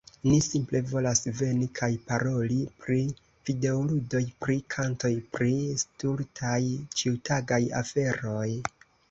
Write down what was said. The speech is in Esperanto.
Ni simple volas veni, kaj paroli pri videoludoj, pri kantoj, pri stultaj ĉiutagaj aferoj.